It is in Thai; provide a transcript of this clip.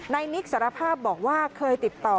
นิกสารภาพบอกว่าเคยติดต่อ